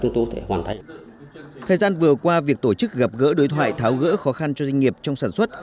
thời gian vừa qua việc tổ chức gặp gỡ đối thoại tháo gỡ khó khăn cho doanh nghiệp trong sản xuất